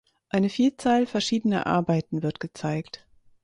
Eine Vielzahl verschiedener Arbeiten wird gezeigt.